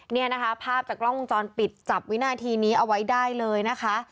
เนี่ยนะคะภาพจากกล้องวงจรปิดจับวินาทีนี้เอาไว้ได้เลยนะคะ